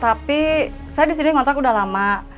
tapi saya disini ngontrak udah lama